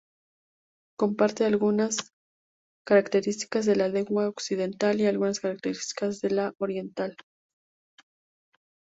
Comparte algunas características de la lengua occidental y algunas características de la oriental.